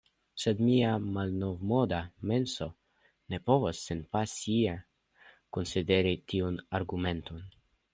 Sed mia malnovmoda menso ne povas senpasie konsideri tiun argumenton.